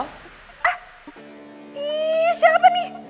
eh ih siapa nih